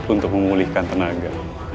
dan memperolehkan tenaga